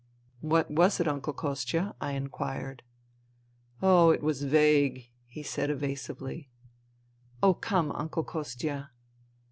156 FUTILITY '' What was it, Uncle Kostia ?" I inquired. " It was vague," he said evasively. " Oh, come, Uncle Kostia